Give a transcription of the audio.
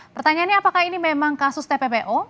pertanyaannya apakah ini memang kasus tppo